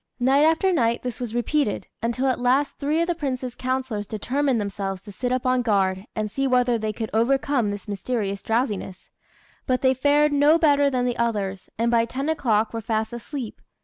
Night after night this was repeated, until at last three of the Prince's councillors determined themselves to sit up on guard, and see whether they could overcome this mysterious drowsiness; but they fared no better than the others, and by ten o'clock were fast asleep.